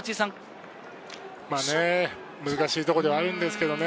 難しいところではあるんですけどね。